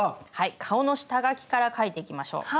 顔の下描きから描いていきましょう。